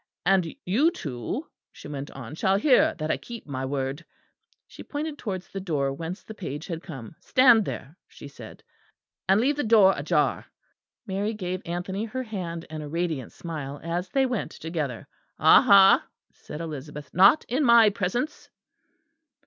"And you too," she went on, "shall hear that I keep my word," she pointed towards the door whence the page had come. "Stand there," she said, "and leave the door ajar." Mary gave Anthony her hand and a radiant smile as they went together. "Aha!" said Elizabeth, "not in my presence."